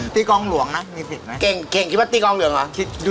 ตีกองหลวงนะมีผิดไหมเก่งคิดว่าตีกองหลวงเหรอ